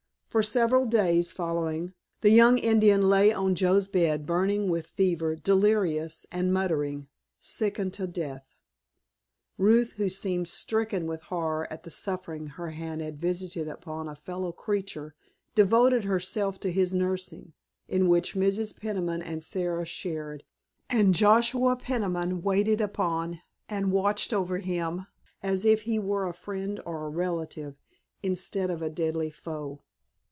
For several days following the young Indian lay on Joe's bed burning with fever, delirious and muttering, sick unto death. Ruth, who seemed stricken with horror at the suffering her hand had visited upon a fellow creature, devoted herself to his nursing, in which Mrs. Peniman and Sara shared, and Joshua Peniman waited upon and watched over him as if he were a friend or a relative instead of a deadly foe.